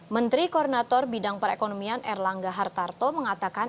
menteri koordinator bidang perekonomian erlangga hartarto mengatakan